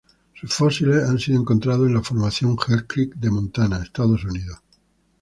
Sus fósiles han sido encontrados en la Formación Hell Creek de Montana, Estados Unidos.